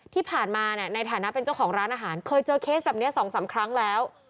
ที่ผ่านมาในฐานะเป็นเจ้าของร้านอาหารเคยเจอเคสแบบนี้๒๓ครั้งแล้ว